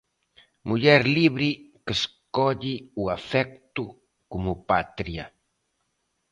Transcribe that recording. Muller libre que escolle o afecto como patria.